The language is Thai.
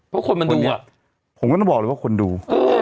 แฟนก็ต้องบอกเลยว่าใหญ่คนดู